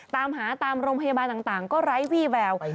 ตามหาตามโรงพยาบาลต่างก็ไร้วี่แวว